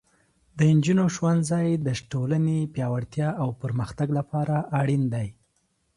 د نجونو ښوونځی د ټولنې پیاوړتیا او پرمختګ لپاره اړین دی.